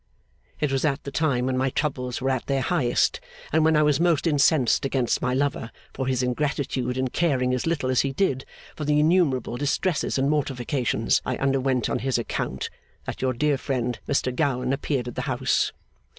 It was at the time when my troubles were at their highest, and when I was most incensed against my lover for his ingratitude in caring as little as he did for the innumerable distresses and mortifications I underwent on his account, that your dear friend, Mr Gowan, appeared at the house.